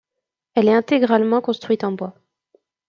Elle est intégralement construite en bois.